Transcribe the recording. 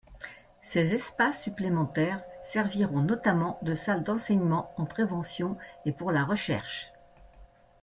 Ces espaces supplémentaires serviront notamment de salle d'enseignement en prévention et pour la recherche.